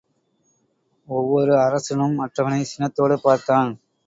ஒவ்வொரு அரசனும் மற்றவனைச் சினத்தோடு பார்த்தான்.